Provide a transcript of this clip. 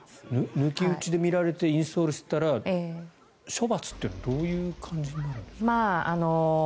抜き打ちで見られてインストールしていたら処罰というのはどういう感じになるんですか？